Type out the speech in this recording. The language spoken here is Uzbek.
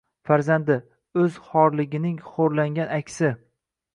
farzandi, o‘z xorligining xo‘rlangan aksi